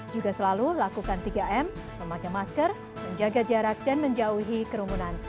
juga selalu lakukan tiga m memakai masker menjaga jarak dan menjauhi kerumunan